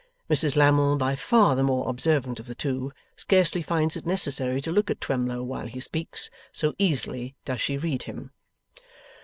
Mrs Lammle, by far the more observant of the two, scarcely finds it necessary to look at Twemlow while he speaks, so easily does she read him.